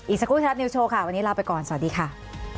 สักครู่ไทยรัฐนิวโชว์ค่ะวันนี้ลาไปก่อนสวัสดีค่ะ